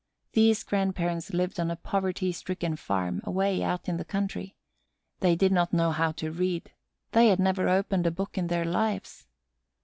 These grandparents lived on a poverty stricken farm away out in the country. They did not know how to read; they had never opened a book in their lives.